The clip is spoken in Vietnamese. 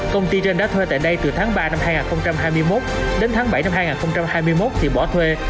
công ty trên đã thuê tại đây từ tháng ba năm hai nghìn hai mươi một đến tháng bảy năm hai nghìn hai mươi một thì bỏ thuê